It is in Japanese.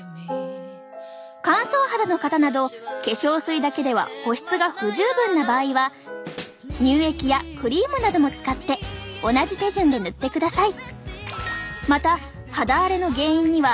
乾燥肌の方など化粧水だけでは保湿が不十分な場合は乳液やクリームなども使って同じ手順で塗ってください。